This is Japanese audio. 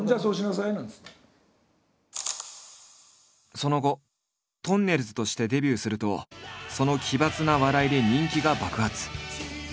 その後とんねるずとしてデビューするとその奇抜な笑いで人気が爆発。